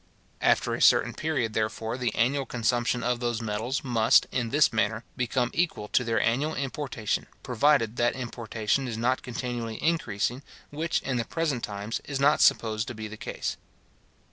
After a certain period, therefore, the annual consumption of those metals must, in this manner, become equal to their annual importation, provided that importation is not continually increasing; which, in the present times, is not supposed to be the case.